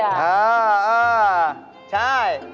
เออใช่